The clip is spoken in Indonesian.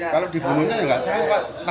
kalau dibunuhnya ya nggak tahu pak